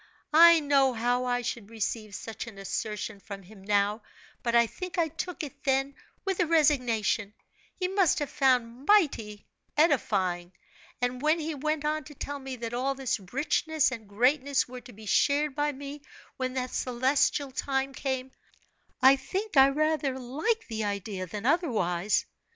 I know how I should receive such an assertion from him now, but I think I took it then with a resignation, he must have found mighty edifying; and when he went on to tell me that all this richness and greatness were to be shared by me when that celestial time came, I think I rather liked the idea than otherwise.